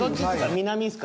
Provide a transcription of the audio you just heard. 南ですか？